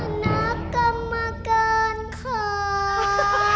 คณะกรรมการค่าาาา